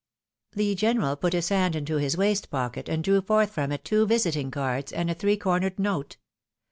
The general put his hand into his waistcoat pocket and drew forth from it two visiting cards, and a three cornered note.